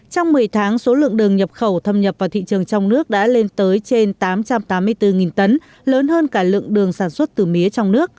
trong một mươi tháng số lượng đường nhập khẩu thâm nhập vào thị trường trong nước đã lên tới trên tám trăm tám mươi bốn tấn lớn hơn cả lượng đường sản xuất từ mía trong nước